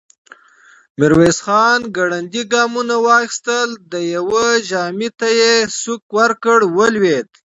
ميرويس خان ګړندي ګامونه واخيستل، د يوه ژامې ته يې سوک ورکړ، ولوېد.